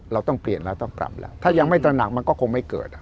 เราต้องเปลี่ยนแล้วต้องกลับแล้วถ้ายังไม่ตระหนักมันก็คงไม่เกิด